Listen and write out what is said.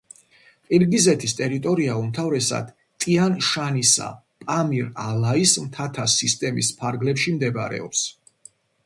ყირგიზეთის ტერიტორია უმთავრესად ტიან-შანისა პამირ-ალაის მთათა სისტემის ფარგლებში მდებარეობს.